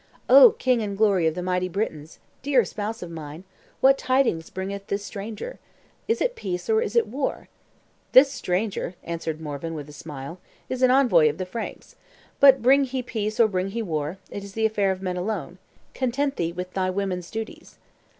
"O king and glory of the mighty Britons, dear spouse of mine, what tidings bringeth this stranger? Is it peace, or is it war?" "This stranger," answered Morvan with a smile, "is an envoy of the Franks; but bring he peace or bring he war, is the affair of men alone; as for thee, content thee with thy woman's duties."